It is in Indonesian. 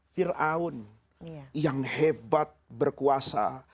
fir'aun yang hebat berkuasa